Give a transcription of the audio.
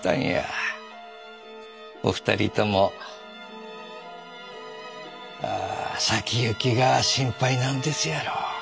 お二人とも先行きが心配なんですやろ？